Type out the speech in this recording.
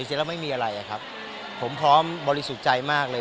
จริงแล้วไม่มีอะไรอะครับผมพร้อมบริสุทธิ์ใจมากเลย